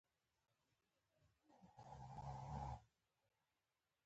زه د مطالعې لپاره هره ورځ وخت لرم.